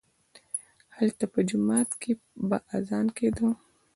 هلته په جومات کښې به اذان کېده.